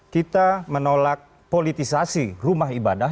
kita menolak politisasi rumah ibadah